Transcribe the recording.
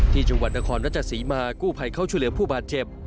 จังหวัดนครรัชศรีมากู้ภัยเข้าช่วยเหลือผู้บาดเจ็บ